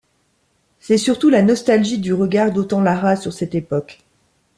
C'est surtout la nostalgie du regard d'Autant-Lara sur cette époque.